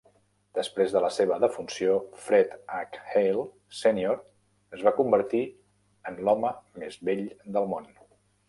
Després de la seva defunció, Fred H. Hale Senior es va convertir en l'home més vell del món.